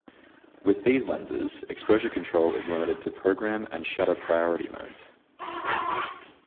With these lenses, exposure control is limited to program and shutter-priority modes.